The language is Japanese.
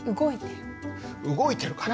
動いてるかな？